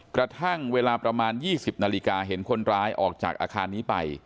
กระทั่งเวลาประมาณ๒๐นาฬิกาเห็นคนร้ายออกจากอาคารนี้ไป